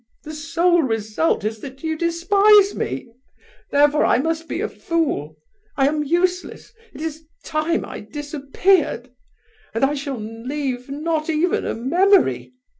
The sole result is that you despise me! Therefore I must be a fool, I am useless, it is time I disappeared! And I shall leave not even a memory!